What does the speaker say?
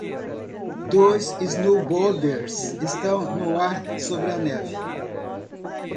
Dois snowboarders estão no ar sobre a neve